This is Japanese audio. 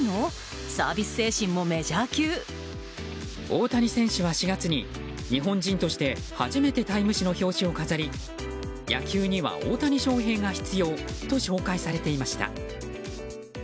大谷選手は４月に日本人として初めて「タイム」誌の表紙を飾り野球には大谷翔平が必要と紹介されていました。